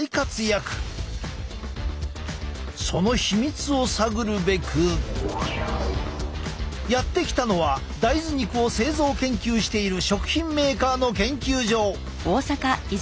その秘密を探るべくやって来たのは大豆肉を製造研究している食品メーカーの研究所！